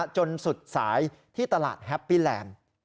จนสุดสายที่ตลาดแฮปปี้แลนด์